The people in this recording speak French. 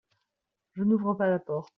Je n'ouvre pas la porte.